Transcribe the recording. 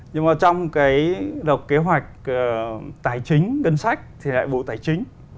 nhưng mà trong cái lập kế hoạch tài chính ngân sách thì là bộ tài chính